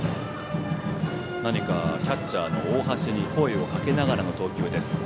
何か、キャッチャーの大橋に声をかけながらの投球です。